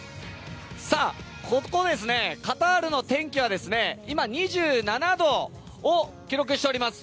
ここ、カタールの天気は今、２７度を記録しております。